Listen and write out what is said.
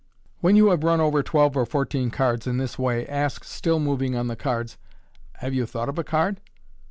When you hav« run over twelve or fourteen cards in this way, ask, still moving on the cards, " Have you thought of a card